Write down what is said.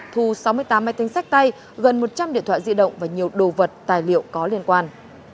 thu sáu mươi tám máy tính sách tay gần một trăm linh điện thoại di động và nhiều đồ vật tài liệu có liên quan